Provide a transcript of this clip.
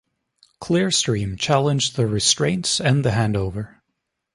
Clearstream challenged the restraints and the handover.